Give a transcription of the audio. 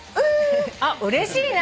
あっうれしいな。